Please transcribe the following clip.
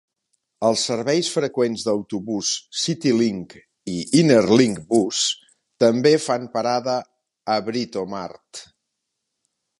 Els serveis freqüents d'autobús City Link i Inner Link bus també fan parada a Britomart.